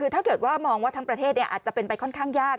ถ้าเกิดว่ามองว่าทั้งประเทศอาจจะเป็นไปค่อนข้างยาก